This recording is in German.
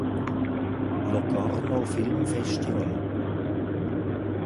Locarno Film Festival